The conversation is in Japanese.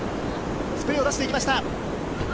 スピードを出していきました。